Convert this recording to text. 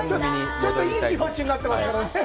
ちょっといい気持ちになってますからね。